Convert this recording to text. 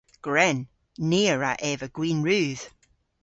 Gwren. Ni a wra eva gwin rudh.